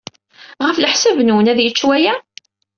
Ɣef leḥsab-nwen, ad yečč waya?